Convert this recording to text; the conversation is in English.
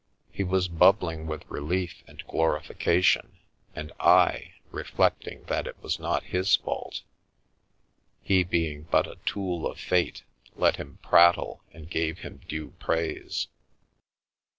He was bub bling with relief and glorification, and I, reflecting that it was not his fault, he being but a tool of fate, let him prat tle, and gave him due praise.